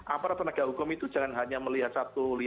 aparat penegak hukum itu jangan hanya melihat satu ratus lima puluh enam a